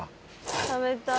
食べたい。